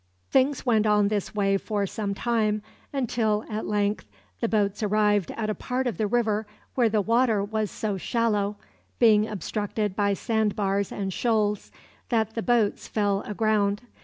] Things went on in this way for some time, until, at length, the boats arrived at a part of the river where the water was so shallow being obstructed by sand bars and shoals that the boats fell aground.